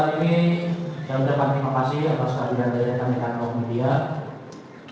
pada saat ini saya berterima kasih kepada sekalian dari kementerian komunikasi